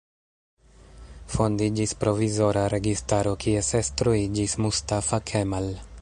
Fondiĝis provizora registaro, kies estro iĝis Mustafa Kemal.